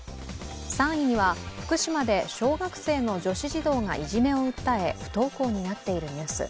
３位には福島で小学生の女子児童がいじめを訴え、不登校になっているニュース。